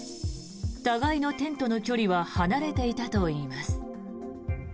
互いのテントの距離は離れていたといいます。